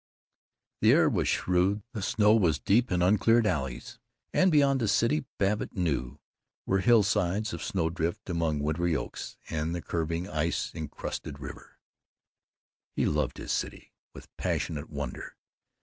The air was shrewd, the snow was deep in uncleared alleys, and beyond the city, Babbitt knew, were hillsides of snow drift among wintry oaks, and the curving ice enchanted river. He loved his city with passionate wonder.